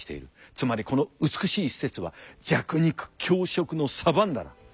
つまりこの美しい施設は弱肉強食のサバンナだ。